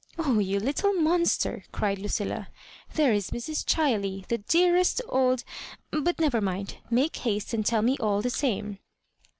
*'0h, you little monster ! J* cried Lucilla, "there is Mrs. Chiley, the dearest old ; but never mind, make haste and tell me all the same.'